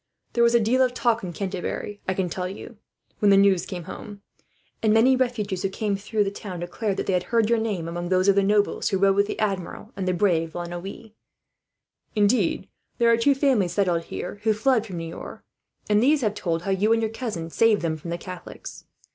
"There was a deal of talk in Canterbury, I can tell you, when the news came home; and many refugees who came through the town declared that they had heard your name among those of the nobles who rode with the Admiral, and the brave La Noue. Indeed, there are two families settled here who fled from Niort, and these have told how you and your cousin saved them from the Catholics.